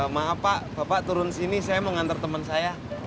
maaf pak bapak turun sini saya mau ngantar teman saya